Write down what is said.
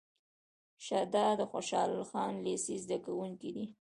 شه دا د خوشحال خان لېسې زده کوونکی دی.